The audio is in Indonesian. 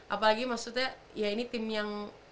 apalagi maksudnya ya ini tim yang